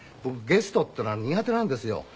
僕ゲストっていうのは苦手なんですよ。